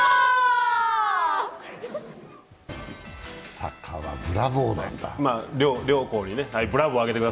サッカーは「ブラボー」なんだ。